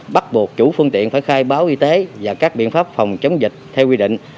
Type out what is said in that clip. bắt buộc chủ phương tiện phải khai báo y tế và các biện pháp phòng chống dịch theo quy định